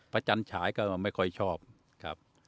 จันฉายก็ไม่ค่อยชอบครับ